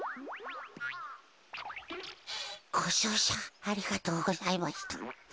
ごじょうしゃありがとうございました。